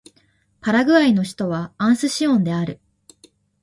パラグアイの首都はアスンシオンである